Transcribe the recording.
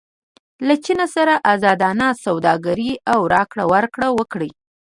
له چین سره ازادانه سوداګري او راکړه ورکړه وکړئ.